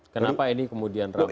kenapa ini kemudian rame